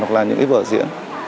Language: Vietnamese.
hoặc là những vở diễn